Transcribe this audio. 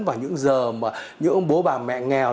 vào những giờ mà những ông bố bà mẹ nghèo